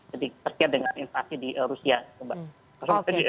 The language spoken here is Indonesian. jadi kesian dengan investasi di rusia mbak